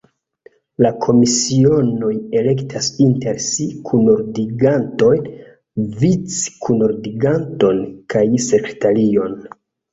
La komisionoj elektas inter si kunordiganton, vic-kunordiganton kaj sekretarion.